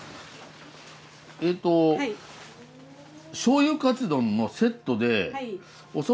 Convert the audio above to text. えっとしょうゆカツ丼のセットでおそば。